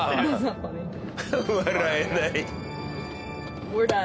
「笑えない」。